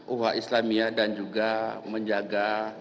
uhat islamia dan juga menjaga